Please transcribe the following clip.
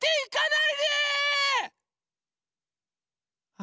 あ！